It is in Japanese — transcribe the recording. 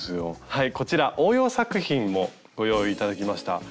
はいこちら応用作品もご用意頂きました。